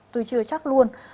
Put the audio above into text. tôi chưa chắc luôn